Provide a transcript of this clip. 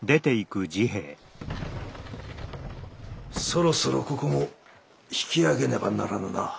そろそろここも引き揚げねばならぬな。